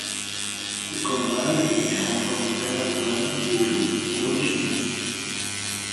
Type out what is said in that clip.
Les colombages, les différents toits recouverts d'ardoises et les tours sont d'origine.